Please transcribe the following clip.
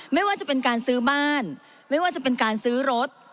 ไม่ว่าจะเป็นการซื้อบ้านไม่ว่าจะเป็นการซื้อรถ